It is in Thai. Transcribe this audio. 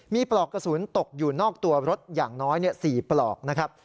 มีปลอกกระสุนตกอยู่นอกตัวรถอย่างน้อย๔ปลอกนะครับ